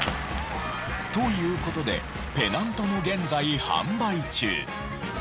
という事でペナントも現在販売中。